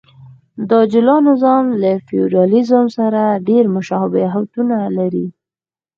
دا جلا نظام له فیوډالېزم سره ډېر مشابهتونه لرل.